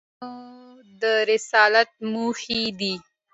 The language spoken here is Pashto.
د پیغمبرانود رسالت موخي دي.